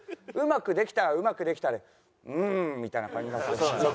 うまくできたらうまくできたで「うん」みたいな感じ。